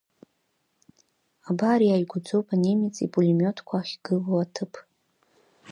Абар иааигәаӡоуп анемец ипулемиотқәа ахьгылоу аҭыԥ.